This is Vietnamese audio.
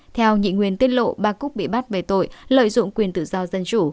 theo nhị nguyên tiết lộ ba cúc bị bắt về tội lợi dụng quyền tự do dân chủ